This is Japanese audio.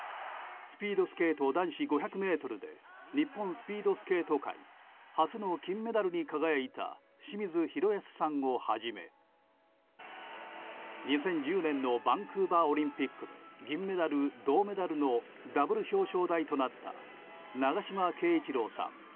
スピードスケート男子５００ｍで日本スピードスケート界初の金メダルに輝いた清水宏保さんをはじめ２０１０年のバンクーバーオリンピックで銀メダル、銅メダルのダブル表彰台となった長島圭一郎さん